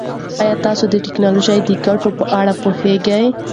ایا تاسو د ټکنالوژۍ د ګټو په اړه پوهېږئ؟